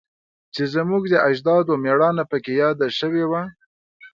چې زموږ د اجدادو میړانه پکې یاده شوی وه